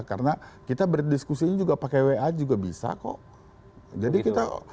karena kita berdiskusi pakai wa juga bisa kok